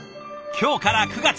今日から９月。